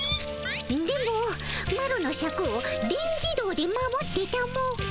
マロのシャクを電自動で守ってたも。